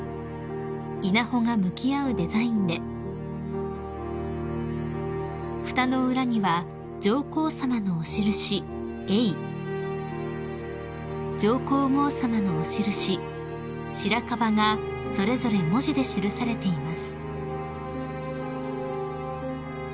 ［稲穂が向き合うデザインでふたの裏には上皇さまのお印「榮」上皇后さまのお印「白樺」がそれぞれ文字で記されています］